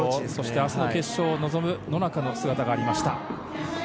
明日、決勝に臨む野中の姿がありました。